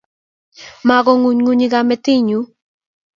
Mago ng`ungunyi kamentunyu